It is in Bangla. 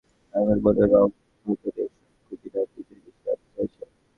এর মানে হলো তুমি রঙ, গঠন, এসব খুঁটিনাটি জিনিস জানতে চাইছ।